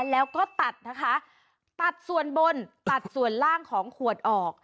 แล้วก็ตัดนะคะตัดส่วนบนตัดส่วนล่างของขวดออก